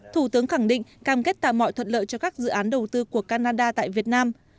thủ tướng khẳng định cam kết tạo mọi thuận lợi cho các dự án đầu tư của canada tại việt nam